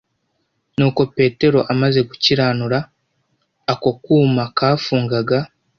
nuko petero amaze gukiranura ako kuma kafungaga,